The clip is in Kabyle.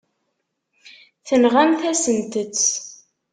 Tenɣamt-asent-t.